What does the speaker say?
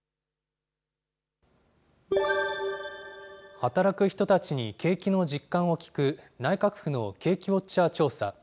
働く人たちに景気の実感を聞く内閣府の景気ウォッチャー調査。